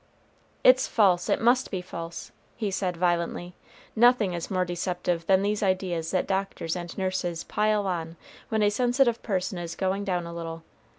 "It's false, it must be false," he said, violently; "nothing is more deceptive than these ideas that doctors and nurses pile on when a sensitive person is going down a little.